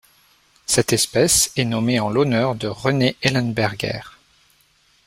Cette espèce est nommée en l'honneur de René Ellenberger.